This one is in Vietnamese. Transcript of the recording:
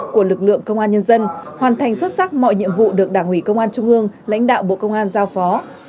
của lực lượng công an nhân dân hoàn thành xuất sắc mọi nhiệm vụ được đảng ủy công an trung ương lãnh đạo bộ công an giao phó